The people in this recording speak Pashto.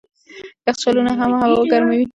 یخچالونه هم هوا ګرموي.